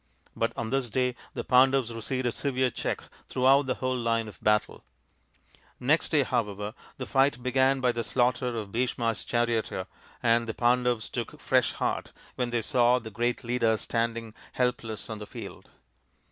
But on this day the Pandavs received a severe check throughout the whole line of battle. Next day, however, the fight began by the slaughter of Bhisma's charioteer, and the Pandavs took fresh heart when they saw the great leader standing helpless on the field.